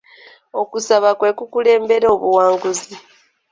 Okusaba kwe kukulembera obuwanguzi.